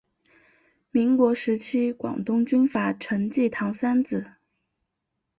民国时期广东军阀陈济棠三子。